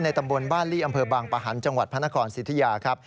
ในตำบลบ้านลี่อำเภอบางประหันฯจังหวัดพนธครสิทธิยา